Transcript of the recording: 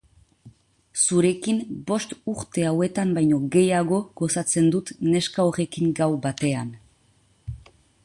Zurekin bost urte hauetan baino gehiago gozatzen dut neska horrekin gau batean.